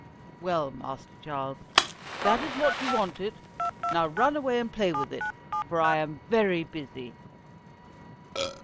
"Well, Master Charles, that is what you wanted, now run away and play with it, for I am very busy."